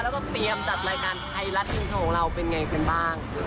แล้วก็เตรียมจัดรายการไฮรัทชั่วของเราเป็นไงขึ้นบ้าง